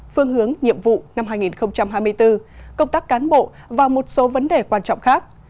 phương hướng nhiệm vụ năm hai nghìn hai mươi bốn công tác cán bộ và một số vấn đề quan trọng khác